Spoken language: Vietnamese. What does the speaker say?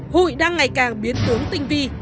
hụi đang ngày càng biến tướng tinh vi